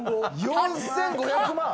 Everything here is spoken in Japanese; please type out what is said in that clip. ４５００万？